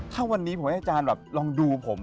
ถ้าวันนี้ผมให้อาจารย์แบบลองดูผม